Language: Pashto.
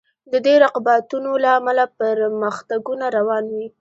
د دې رقابتونو له امله پرمختګونه روان وي.